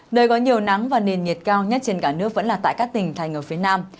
nơi có nhiều nắng và nền nhiệt cao nhất trên cả nước vẫn là tại các tỉnh thành ở phía nam